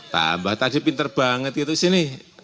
tambah tadi pinter banget gitu sini